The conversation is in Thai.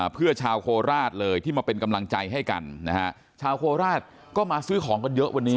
เพื่อชาวโคราชเลยที่มาเป็นกำลังใจให้กันนะฮะชาวโคราชก็มาซื้อของกันเยอะวันนี้